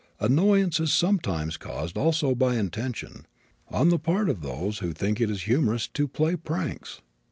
Annoyance is sometimes caused also by intention, on the part of those who think it is humorous to play pranks.